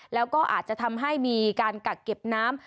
แล้วก็อาจจะทำให้มีการกักเก็บน้ำ